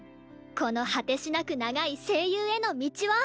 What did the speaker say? この果てしなく長い声優への道を！